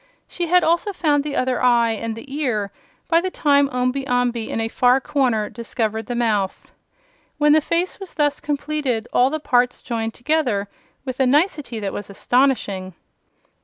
She had also found the other eye and the ear by the time Omby Amby in a far corner discovered the mouth. When the face was thus completed, all the parts joined together with a nicety that was astonishing.